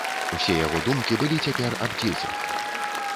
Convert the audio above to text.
Усе яго думкі былі цяпер аб дзецях.